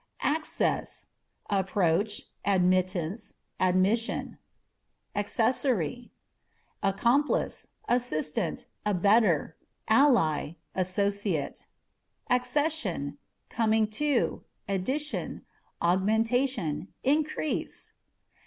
Access â€" approach, admittance, admission. Accessary â€" accomplice, assistant, abettor, ally, associate. Accession â€" coming to, addition, augmentation, increase.